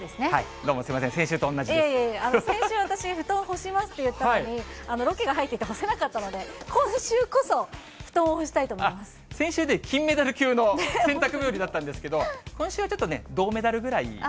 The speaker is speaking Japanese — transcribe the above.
どうもすみません、先週と同先週、私、布団干しますって言ったのに、ロケが入ってて干せなかったんで、今週こそ、布団を先週ね、金メダル級の洗濯日和だったんですけど、今週はちょっとね、銅メダルぐらい。